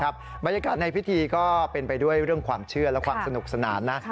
บรรยากาศในพิธีก็เป็นไปด้วยเรื่องความเชื่อและความสนุกสนานนะ